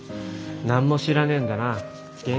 何も知らねえんだな。